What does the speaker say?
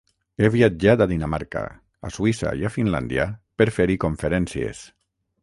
He viatjat a Dinamarca, a Suïssa i a Finlàndia per fer-hi conferències.